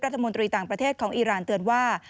รัฐมนตรีต่างประเทศของอีรานเตือนว่า